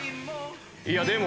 いやでも。